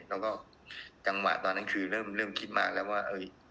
แล้วก็จังหวะตอนนั้นคือเริ่มคิดมาแล้วว่า